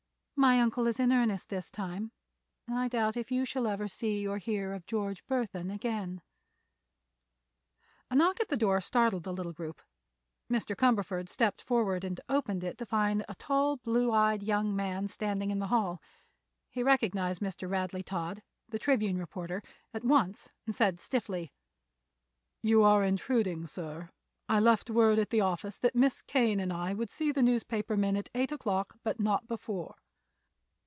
"My uncle is in earnest this time and I doubt if you ever see or hear of George Burthon again." A knock at the door startled the little group. Mr. Cumberford stepped forward and opened it to find a tall, blue eyed young man standing in the hall. He recognized Mr. Radley Todd—the Tribune reporter—at once, and said stiffly: "You are intruding, sir. I left word at the office that Miss Kane and I would see the newspaper men at eight o'clock, but not before."